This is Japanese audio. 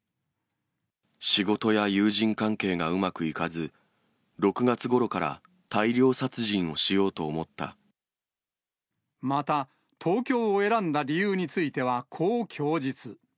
仕事や友人関係がうまくいかず、６月ごろから大量殺人をしよまた、東京を選んだ理由については、こう供述。